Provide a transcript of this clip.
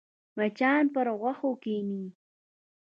مچان پر غوښو کښېني